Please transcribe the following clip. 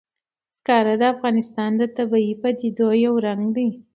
زغال د افغانستان د طبیعي پدیدو یو رنګ دی.